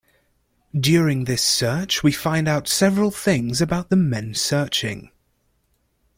During this search we find out several things about the men searching.